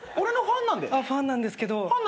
ファンなんですけど。